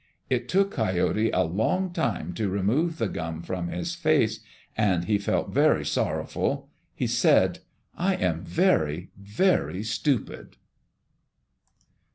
It took Coyote a long time to remove the gum from his face, and he felt very sorrowful. He said, "I am very, very stupid."